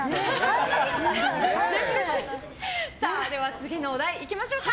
次のお題、行きましょうか。